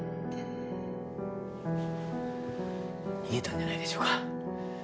逃げたんじゃないでしょうか？